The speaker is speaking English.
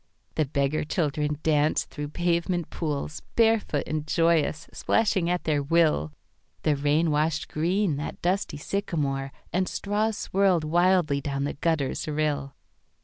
The beggar children danced through pavement poolsBarefoot and joyous, splashing at their will; The rain washed green that dusty sycamoreAnd straws swirled wildly down the gutter's rill.